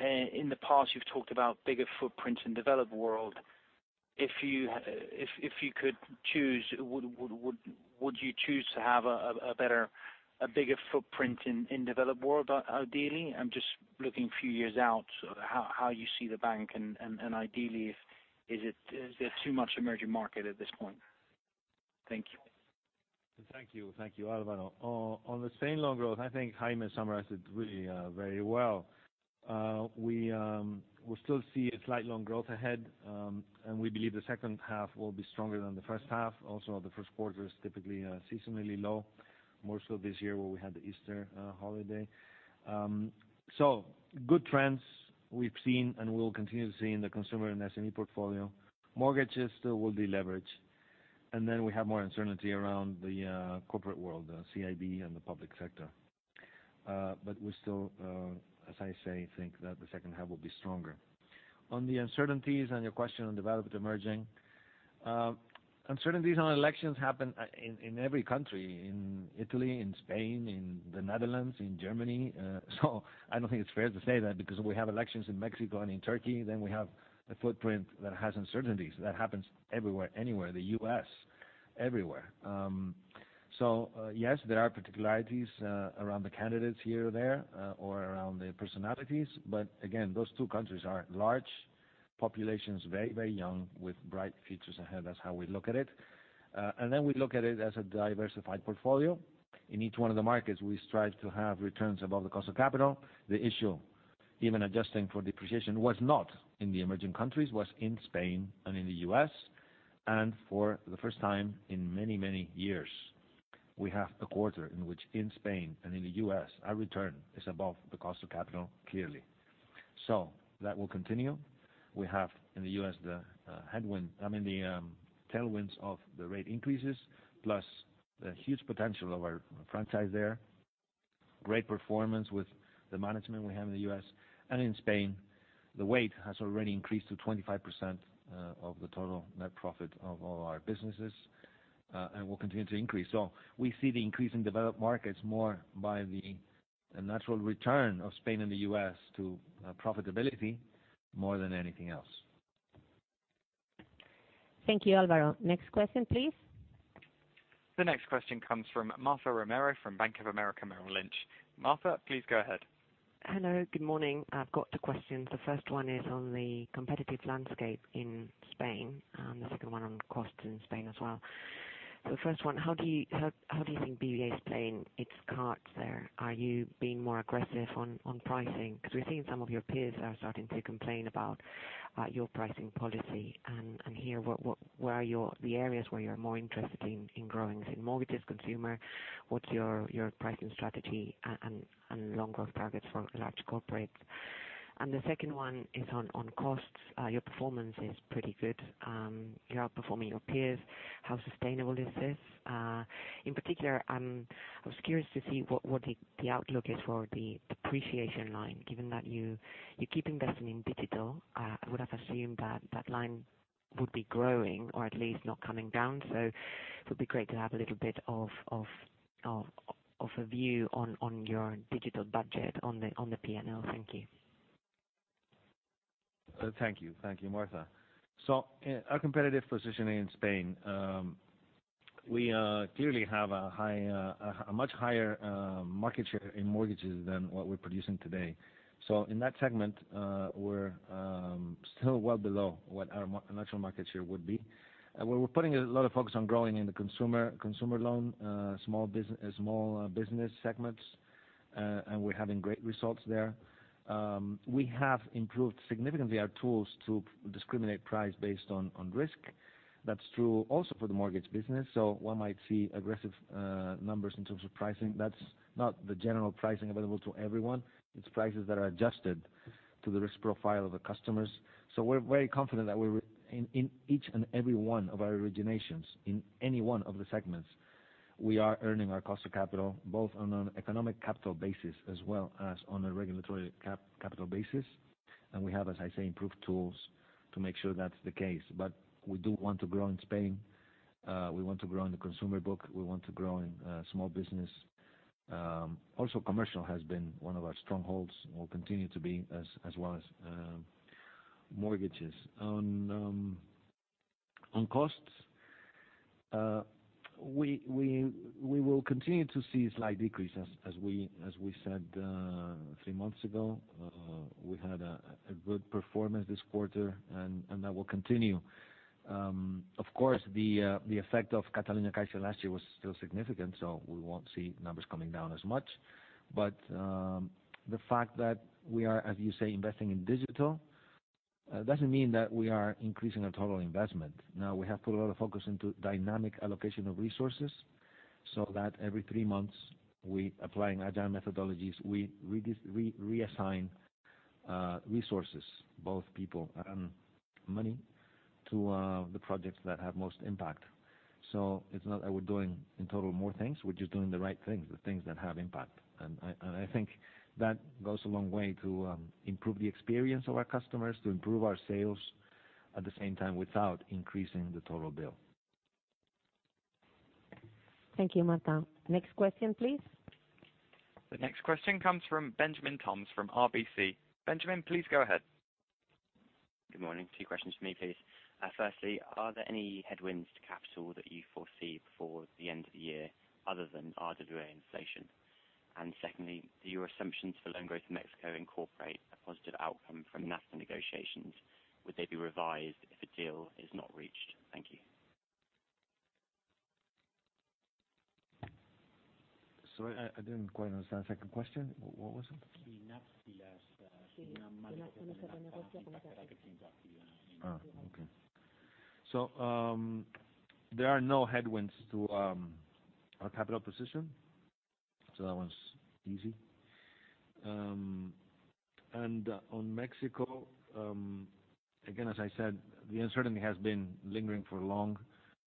In the past, you've talked about bigger footprints in developed world. If you could choose, would you choose to have a bigger footprint in developed world, ideally? I'm just looking a few years out how you see the bank and ideally, is there too much emerging market at this point? Thank you.
Thank you. Thank you, Alvaro. On the Spain loan growth, I think Jaime summarized it really very well. We still see a slight loan growth ahead, and we believe the second half will be stronger than the first half. Also, the first quarter is typically seasonally low, more so this year where we had the Easter holiday. Good trends we've seen and we will continue to see in the consumer and SME portfolio. Mortgages still will deleverage. We have more uncertainty around the corporate world, the CIB, and the public sector. We still, as I say, think that the second half will be stronger. On the uncertainties and your question on developed emerging. Uncertainties on elections happen in every country, in Italy, in Spain, in the Netherlands, in Germany. I don't think it's fair to say that because we have elections in Mexico and in Turkey, then we have a footprint that has uncertainties. That happens everywhere, anywhere, the U.S., everywhere. Yes, there are particularities around the candidates here or there, or around the personalities. Again, those two countries are large populations, very young with bright futures ahead. That's how we look at it. We look at it as a diversified portfolio. In each one of the markets, we strive to have returns above the cost of capital. The issue, even adjusting for depreciation, was not in the emerging countries, was in Spain and in the U.S. For the first time in many, many years, we have a quarter in which in Spain and in the U.S., our return is above the cost of capital, clearly. That will continue. We have in the U.S., the headwinds, I mean the tailwinds of the rate increases, plus the huge potential of our franchise there, great performance with the management we have in the U.S. In Spain, the weight has already increased to 25% of the total net profit of all our businesses, and will continue to increase. We see the increase in developed markets more by the natural return of Spain and the U.S. to profitability more than anything else.
Thank you, Alvaro. Next question, please.
The next question comes from Marta Romero from Bank of America Merrill Lynch. Marta, please go ahead.
Hello. Good morning. I've got two questions. The first one is on the competitive landscape in Spain. The second one on costs in Spain as well. First one, how do you think BBVA is playing its cards there? Are you being more aggressive on pricing? We're seeing some of your peers are starting to complain about your pricing policy. Here, where are the areas where you're more interested in growing, is it mortgages, consumer? What's your pricing strategy and loan growth targets for large corporates? The second one is on costs. Your performance is pretty good. You're outperforming your peers. How sustainable is this? In particular, I was curious to see what the outlook is for the depreciation line, given that you keep investing in digital. I would've assumed that line would be growing, or at least not coming down. It would be great to have a little bit of a view on your digital budget on the P&L. Thank you.
Thank you, Marta. Our competitive positioning in Spain. We clearly have a much higher market share in mortgages than what we're producing today. In that segment, we're still well below what our natural market share would be. We're putting a lot of focus on growing in the consumer loan, small business segments, and we're having great results there. We have improved significantly our tools to discriminate price based on risk. That's true also for the mortgage business. One might see aggressive numbers in terms of pricing. That's not the general pricing available to everyone. It's prices that are adjusted to the risk profile of the customers. We're very confident that in each and every one of our originations, in any one of the segments, we are earning our cost of capital, both on an economic capital basis as well as on a regulatory capital basis. We have, as I say, improved tools to make sure that's the case. We do want to grow in Spain. We want to grow in the consumer book. We want to grow in small business. Also commercial has been one of our strongholds, will continue to be, as well as mortgages. On costs, we will continue to see a slight decrease, as we said three months ago. We had a good performance this quarter, and that will continue. Of course, the effect of CatalunyaCaixa last year was still significant, so we won't see numbers coming down as much. The fact that we are, as you say, investing in digital, doesn't mean that we are increasing our total investment. We have put a lot of focus into dynamic allocation of resources, so that every three months, applying agile methodologies, we reassign resources, both people and money, to the projects that have most impact. It's not that we're doing in total more things. We're just doing the right things, the things that have impact. I think that goes a long way to improve the experience of our customers, to improve our sales, at the same time, without increasing the total bill.
Thank you, Marta. Next question, please.
The next question comes from Benjamin Toms from RBC. Benjamin, please go ahead.
Good morning. Two questions for me, please. Firstly, are there any headwinds to capital that you foresee before the end of the year other than RWA inflation? Secondly, do your assumptions for loan growth in Mexico incorporate a positive outcome from NAFTA negotiations? Would they be revised if a deal is not reached? Thank you.
Sorry, I didn't quite understand the second question. What was it?
The NAFTA negotiations.
There are no headwinds to our capital position, so that one's easy. On Mexico, again, as I said, the uncertainty has been lingering for long.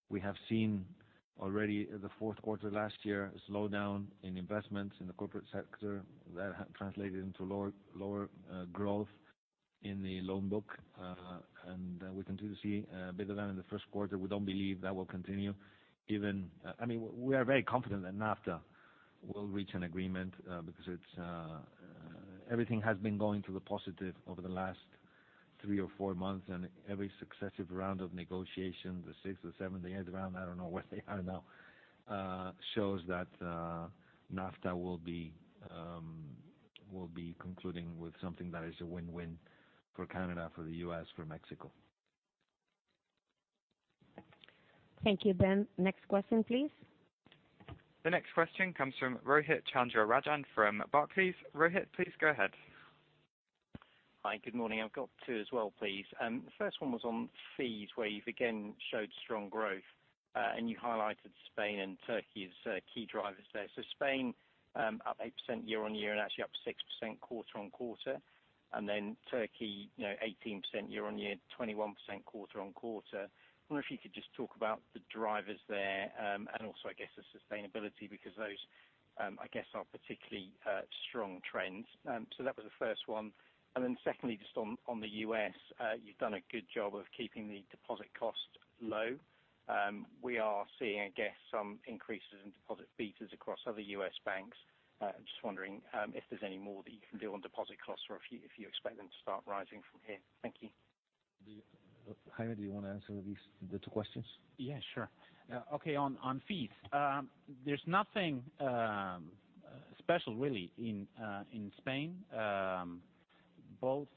We have seen already the fourth quarter last year, a slowdown in investments in the corporate sector that translated into lower growth in the loan book. We continue to see a bit of that in the first quarter. We don't believe that will continue. We are very confident that NAFTA will reach an agreement, because everything has been going to the positive over the last three or four months, and every successive round of negotiation, the sixth, the seventh, the eighth round, I don't know where they are now, shows that NAFTA will be concluding with something that is a win-win for Canada, for the U.S., for Mexico.
Thank you, Ben. Next question, please.
The next question comes from Rohith Chandra Rajan from Barclays. Rohith, please go ahead.
Hi, good morning. I've got two as well, please. The first one was on fees, where you've again showed strong growth. You highlighted Spain and Turkey as key drivers there. Spain up 8% year-on-year, and actually up 6% quarter-on-quarter. Turkey 18% year-on-year, 21% quarter-on-quarter. I wonder if you could just talk about the drivers there, and also, I guess the sustainability, because those, I guess are particularly strong trends. That was the first one, and then secondly, just on the U.S., you've done a good job of keeping the deposit cost low. We are seeing, I guess, some increases in deposit betas across other U.S. banks. Just wondering if there's any more that you can do on deposit costs or if you expect them to start rising from here. Thank you.
Jaime, do you want to answer these, the two questions?
Yeah, sure. Okay, on fees. There's nothing special, really, in Spain. Both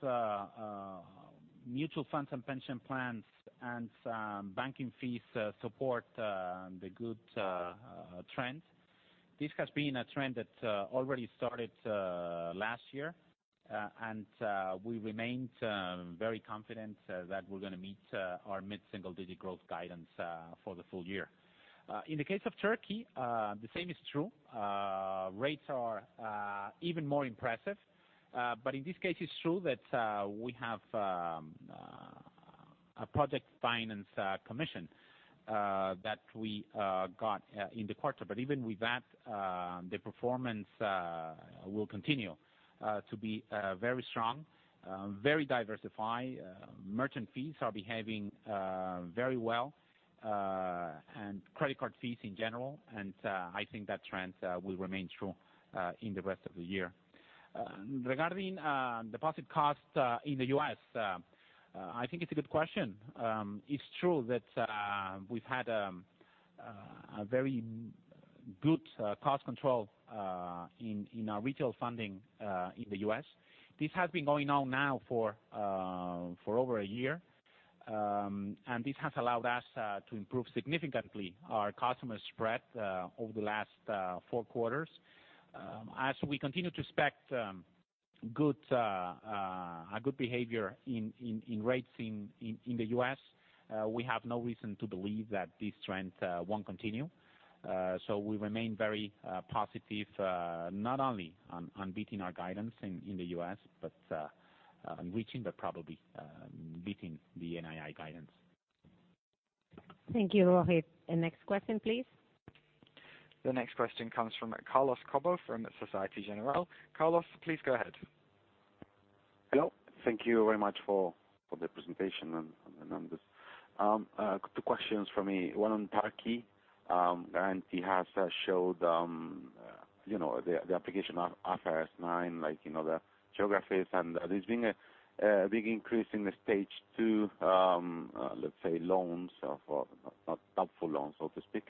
mutual funds and pension plans and banking fees support the good trend. We remained very confident that we're going to meet our mid-single-digit growth guidance for the full year. In the case of Turkey, the same is true. Rates are even more impressive. In this case, it's true that we have a project finance commission that we got in the quarter. Even with that, the performance will continue to be very strong, very diversified. Merchant fees are behaving very well, credit card fees in general, I think that trend will remain true in the rest of the year. Regarding deposit costs in the U.S., I think it's a good question. It's true that we've had a very good cost control in our retail funding in the U.S. This has been going on now for over a year. This has allowed us to improve significantly our customer spread over the last four quarters. As we continue to expect a good behavior in rates in the U.S., we have no reason to believe that this trend won't continue. We remain very positive, not only on beating our guidance in the U.S., but on reaching but probably beating the NII guidance.
Thank you, Rohith. The next question, please.
The next question comes from Carlos Cobo from Societe Generale. Carlos, please go ahead.
Hello. Thank you very much for the presentation and the numbers. Two questions from me, one on Turkey. Garanti has showed the application of IFRS 9, the geographies, and there's been a big increase in the stage 2, let's say, loans or doubtful loans, so to speak.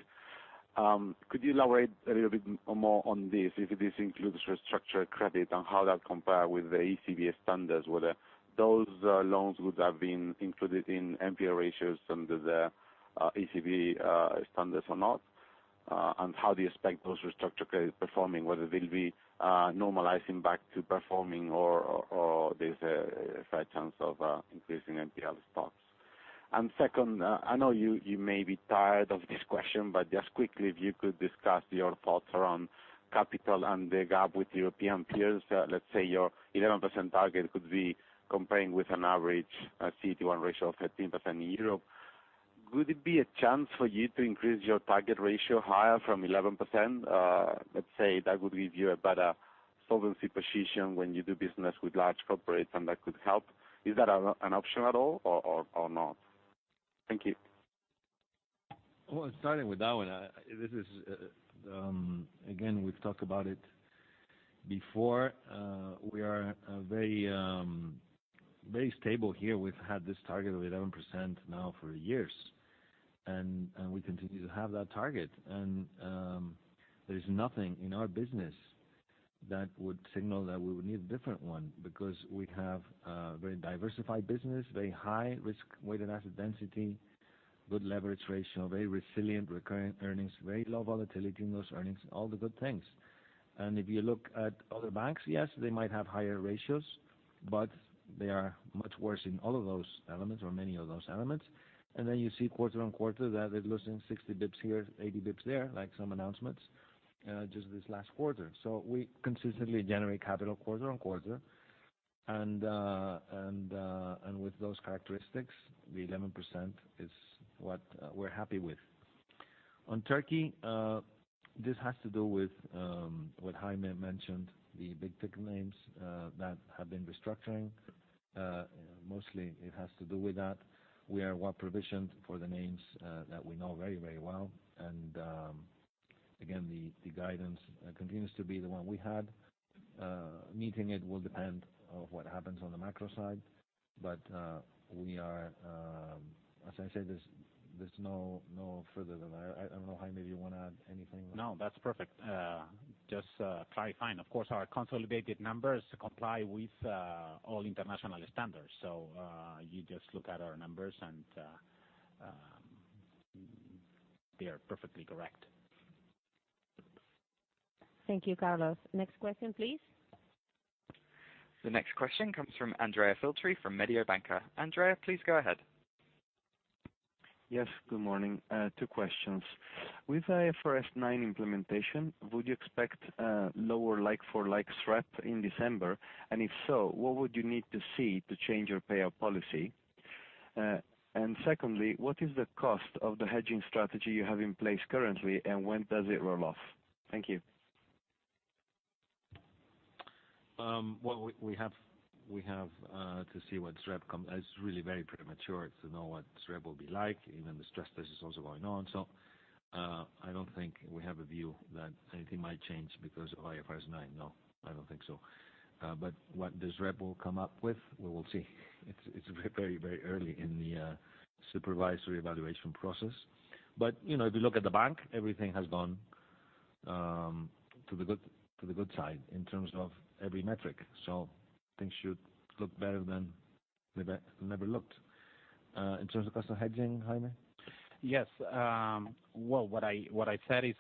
Could you elaborate a little bit more on this, if this includes restructured credit and how that compare with the ECB standards? Whether those loans would have been included in NPL ratios under the ECB standards or not, and how do you expect those restructured credits performing, whether they'll be normalizing back to performing or there's a fair chance of increasing NPL stocks? Second, I know you may be tired of this question, but just quickly, if you could discuss your thoughts around capital and the gap with European peers, let's say your 11% target could be comparing with an average CET1 ratio of 13% in Europe. Could it be a chance for you to increase your target ratio higher from 11%? Let's say that would give you a better solvency position when you do business with large corporates, and that could help. Is that an option at all or not? Thank you.
Starting with that one, again, we've talked about it before. We are very stable here. We've had this target of 11% now for years, we continue to have that target. There is nothing in our business that would signal that we would need a different one because we have a very diversified business, very high risk-weighted asset density, good leverage ratio, very resilient recurrent earnings, very low volatility in those earnings, all the good things. If you look at other banks, yes, they might have higher ratios, but they are much worse in all of those elements or many of those elements. Then you see quarter on quarter that they're losing 60 basis points here, 80 basis points there, like some announcements just this last quarter. We consistently generate capital quarter on quarter, and with those characteristics, the 11% is what we're happy with. On Turkey, this has to do with what Jaime mentioned, the big-ticket names that have been restructuring. Mostly it has to do with that. We are well provisioned for the names that we know very well, again, the guidance continues to be the one we had. Meeting it will depend on what happens on the macro side. As I said, there's no further than that. I don't know, Jaime, if you want to add anything.
No, that's perfect. Just clarifying. Of course, our consolidated numbers comply with all international standards, so you just look at our numbers, and they are perfectly correct.
Thank you, Carlos. Next question, please.
The next question comes from Andrea Filtri from Mediobanca. Andrea, please go ahead.
Yes, good morning. Two questions. With IFRS 9 implementation, would you expect a lower like-for-like SREP in December? If so, what would you need to see to change your payout policy? Secondly, what is the cost of the hedging strategy you have in place currently, and when does it roll off? Thank you.
We have to see what SREP comes. It is really very premature to know what SREP will be like, even the stress test is also going on. I don't think we have a view that anything might change because of IFRS 9. I don't think so. What this rep will come up with, we will see. It is very early in the supervisory evaluation process. If you look at the bank, everything has gone to the good side in terms of every metric. Things should look better than they have ever looked. In terms of customer hedging, Jaime?
Yes. Well, what I said is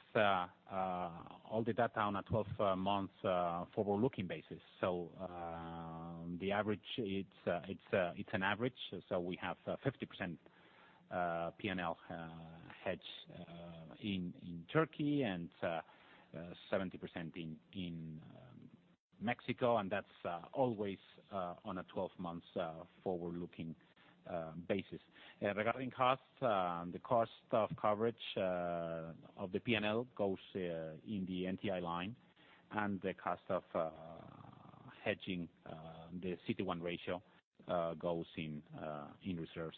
all the data on a 12-month forward-looking basis. It is an average. We have 50% P&L hedge in Turkey and 70% in Mexico, and that is always on a 12-month forward-looking basis. Regarding costs, the cost of coverage of the P&L goes in the NTI line, and the cost of hedging the CET1 ratio goes in reserves.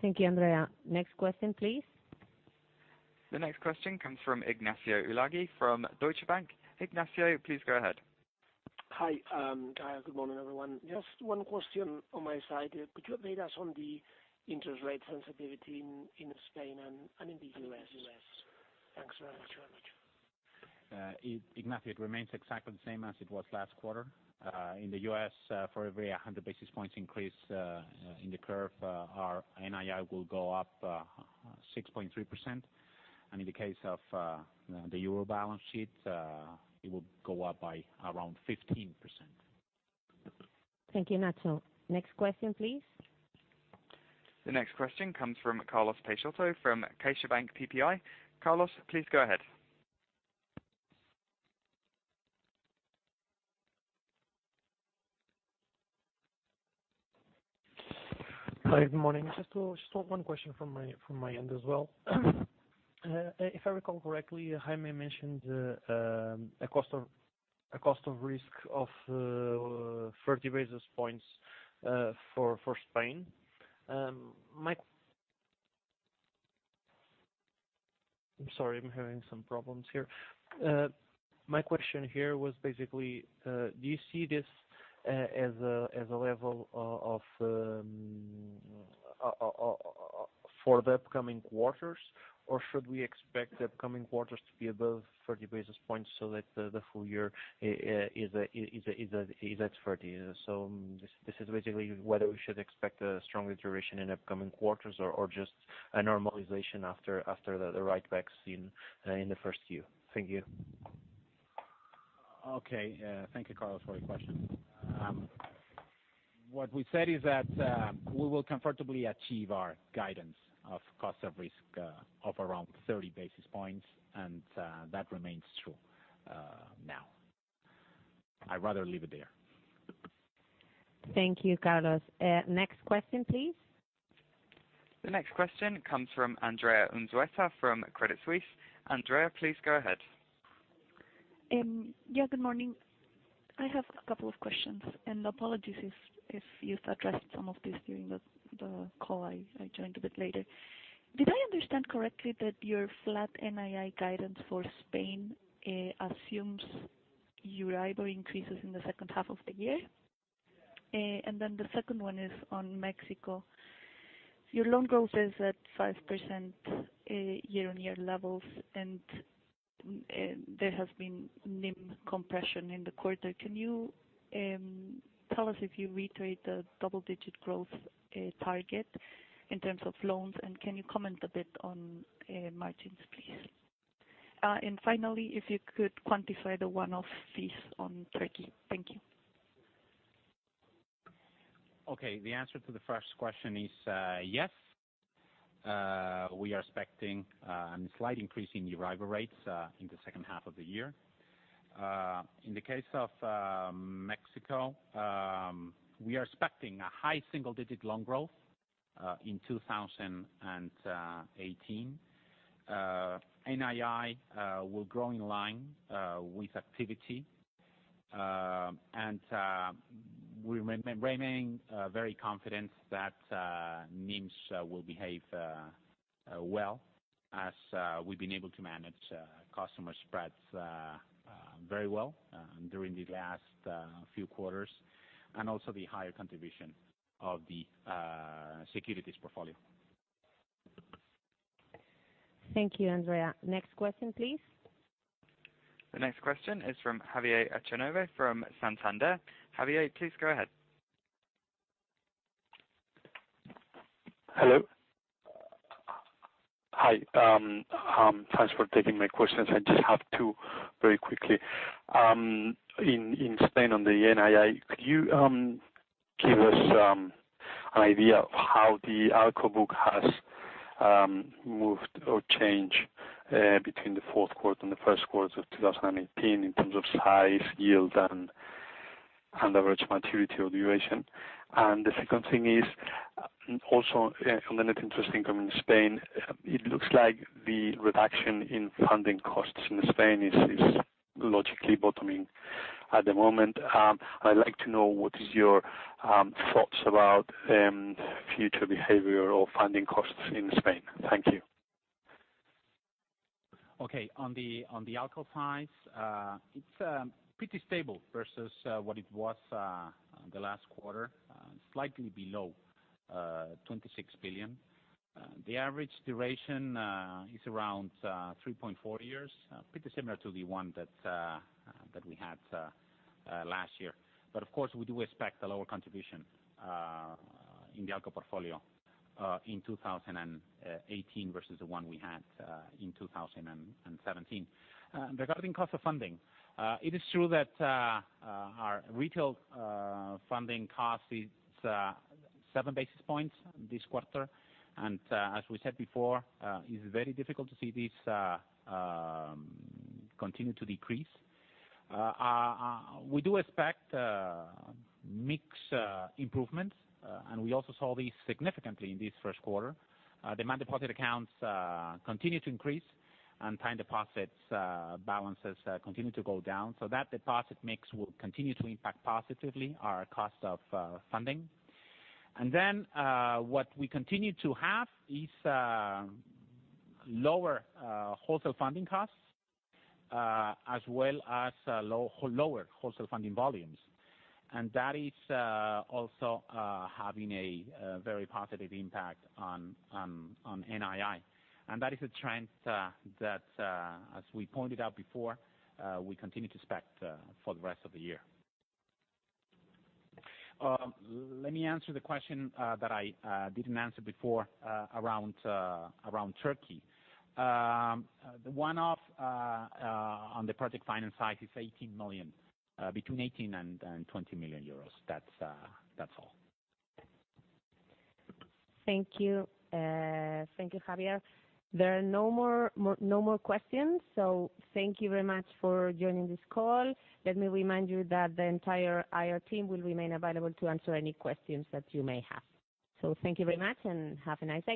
Thank you, Andrea. Next question, please.
The next question comes from Ignacio Ulargui from Deutsche Bank. Ignacio, please go ahead.
Hi. Good morning, everyone. Just one question on my side. Could you update us on the interest rate sensitivity in Spain and in the U.S.? Thanks very much.
Ignacio, it remains exactly the same as it was last quarter. In the U.S., for every 100 basis points increase in the curve, our NII will go up 6.3%. In the case of the EUR balance sheet, it will go up by around 15%.
Thank you, Ignacio. Next question, please.
The next question comes from Carlos Peixoto from CaixaBank BPI. Carlos, please go ahead.
Hi, good morning. Just one question from my end as well. If I recall correctly, Jaime mentioned a cost of risk of 30 basis points for Spain. I'm sorry, I'm having some problems here. My question here was basically, do you see this as a level for the upcoming quarters, or should we expect the upcoming quarters to be above 30 basis points so that the full year is at 30? This is basically whether we should expect a stronger duration in upcoming quarters or just a normalization after the write-backs in the first Q. Thank you.
Okay. Thank you, Carlos, for your question. What we said is that we will comfortably achieve our guidance of cost of risk of around 30 basis points, and that remains true now. I'd rather leave it there.
Thank you, Carlos. Next question, please.
The next question comes from Andrea Unzueta from Credit Suisse. Andrea, please go ahead.
Good morning. I have a couple of questions. Apologies if you've addressed some of this during the call, I joined a bit later. Did I understand correctly that your flat NII guidance for Spain assumes Euribor increases in the second half of the year? The second one is on Mexico. Your loan growth is at 5% year-on-year levels. There has been NIM compression in the quarter. Can you tell us if you reiterate the double-digit growth target in terms of loans? Can you comment a bit on margins, please? Finally, if you could quantify the one-off fees on Turkey. Thank you.
The answer to the first question is yes, we are expecting a slight increase in Euribor rates in the second half of the year. In the case of Mexico, we are expecting a high single-digit loan growth in 2018. NII will grow in line with activity. We remain very confident that NIMs will behave well as we've been able to manage customer spreads very well during the last few quarters, and also the higher contribution of the securities portfolio.
Thank you, Andrea. Next question, please.
The next question is from Javier Echanove from Santander. Javier, please go ahead.
Hello. Hi. Thanks for taking my questions. I just have two very quickly. In Spain, on the NII, could you give us an idea of how the ALCO book has moved or changed between the fourth quarter and the first quarter of 2018 in terms of size, yield, and average maturity or duration? The second thing is, also on the net interest income in Spain, it looks like the reduction in funding costs in Spain is logically bottoming. At the moment, I'd like to know what is your thoughts about future behavior or funding costs in Spain. Thank you.
Okay. On the ALCO side, it's pretty stable versus what it was the last quarter, slightly below 26 billion. The average duration is around 3.4 years, pretty similar to the one that we had last year. Of course, we do expect a lower contribution in the ALCO portfolio, in 2018 versus the one we had in 2017. Regarding cost of funding, it is true that our retail funding cost is seven basis points this quarter. As we said before, it's very difficult to see this continue to decrease. We do expect mix improvements. We also saw these significantly in this first quarter. Demand deposit accounts continue to increase. Time deposits balances continue to go down. That deposit mix will continue to impact positively our cost of funding. What we continue to have is lower wholesale funding costs, as well as lower wholesale funding volumes. That is also having a very positive impact on NII. That is a trend that, as we pointed out before, we continue to expect for the rest of the year. Let me answer the question that I didn't answer before, around Turkey. The one-off on the project finance side is 18 million, between 18 and 20 million euros. That's all.
Thank you. Thank you, Javier. There are no more questions. Thank you very much for joining this call. Let me remind you that the entire IR team will remain available to answer any questions that you may have. Thank you very much, and have a nice day.